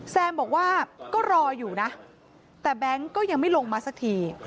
แซมบอกว่าก็รออยู่นะแต่แบงค์ก็ยังไม่ลงมาสักที